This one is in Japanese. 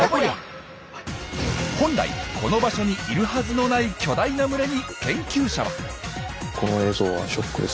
本来この場所にいるはずのない巨大な群れに研究者は。